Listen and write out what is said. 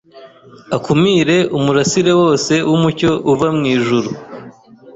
akumire umurasire wose w’umucyo uva mu ijuru.